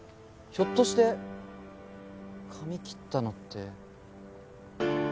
ひょっとして髪切ったのって。